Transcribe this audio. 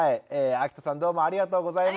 秋田さんどうもありがとうございました。